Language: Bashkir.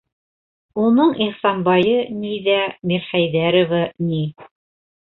Уның Ихсанбайы ни ҙә, Мирхәйҙәровы ни.